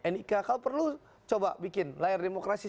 nikk perlu coba bikin layar demokrasi